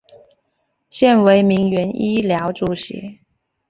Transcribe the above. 现为铭源医疗主席。